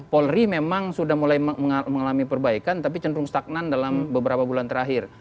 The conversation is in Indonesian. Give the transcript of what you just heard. polri memang sudah mulai mengalami perbaikan tapi cenderung stagnan dalam beberapa bulan terakhir